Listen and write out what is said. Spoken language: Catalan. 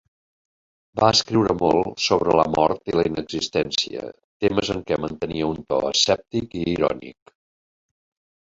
Va escriure molt sobre la mort i la inexistència, temes en què mantenia un to escèptic i irònic.